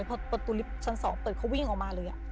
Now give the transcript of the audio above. พอประตูลิฟต์ชั้น๒เปิดเขาวิ่งออกมาเลย